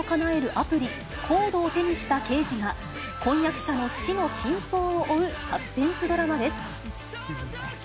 アプリ、ＣＯＤＥを手にした刑事が、婚約者の死の真相を追うサスペンスドラマです。